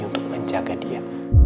untuk menjaga dia